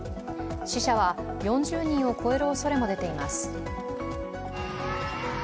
死者は４０人を超えるおそれも出ています。